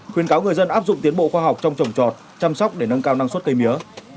khuyến cáo người dân áp dụng tiến bộ khoa học trong trồng trọt chăm sóc để nâng cao năng suất cây mía